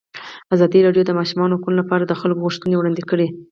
ازادي راډیو د د ماشومانو حقونه لپاره د خلکو غوښتنې وړاندې کړي.